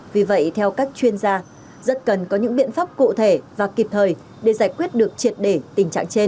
vì vậy theo các chuyên gia rất cần có những biện pháp cụ thể và kịp thời để giải quyết được triệt để tình trạng trên